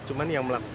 cuman yang melak